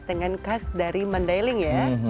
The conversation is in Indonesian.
dengan khas dari mandailing ya